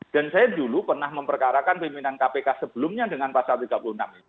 dan saya dulu pernah memperkarakan pimpinan kpk sebelumnya dengan pasal tiga puluh enam ini